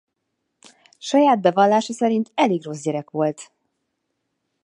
Saját bevallása szerint elég rossz gyerek volt.